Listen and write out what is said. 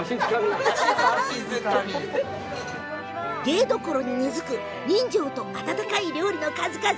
芸どころに根づく人情と温かい料理の数々。